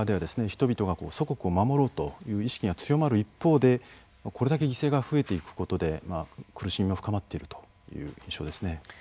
人々が祖国を守ろうという意識が強まる一方でこれだけ犠牲が増えていくことで苦しみも深まっているという印象ですね。